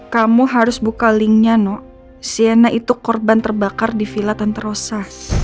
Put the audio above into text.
kamu harus buka linknya no sienna itu korban terbakar di villa tenterosa